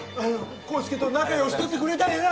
康介と仲ようしとってくれたんやな？